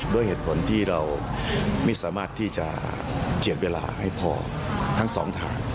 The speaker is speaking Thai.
ด้วยเหตุผลที่เราไม่สามารถที่จะเจียดเวลาให้พอทั้งสองทาง